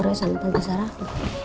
di suruh sama tante sarah